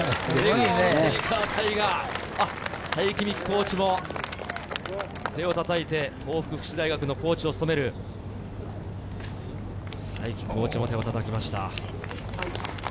佐伯三貴コーチも、手をたたいて、東北福祉大学のコーチを務める佐伯コーチも手をたたきました。